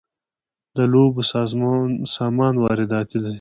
د لوبو سامان وارداتی دی